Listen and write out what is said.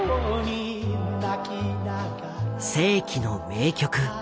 世紀の名曲。